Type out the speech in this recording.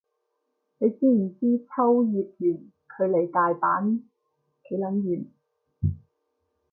你知唔知秋葉原距離大阪幾撚遠